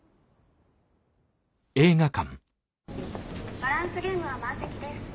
「バランスゲーム」は満席です。